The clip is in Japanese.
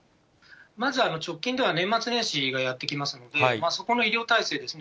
まず直近では、年末年始がやって来ますので、そこの医療体制ですね。